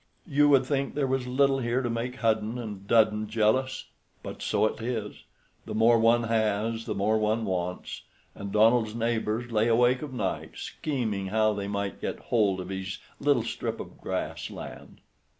You would think there was little here to make Hudden and Dudden jealous, but so it is, the more one has the more one wants, and Donald's neighbors lay awake of nights scheming how they might get hold of his little strip of grass land.